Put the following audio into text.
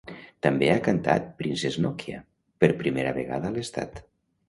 També ha cantat Princess Nokia, per primera vegada a l'estat.